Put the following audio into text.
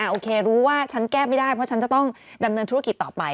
โอเครู้ว่าฉันแก้ไม่ได้เพราะฉันจะต้องดำเนินธุรกิจต่อไป